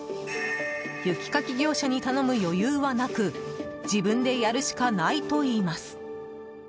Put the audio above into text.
雪かき業者に頼む余裕はなく自分でやるしかないといいます。